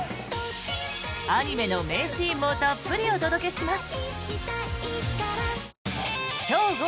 アニメの名シーンもたっぷりお届けします。